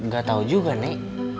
gak tahu juga nek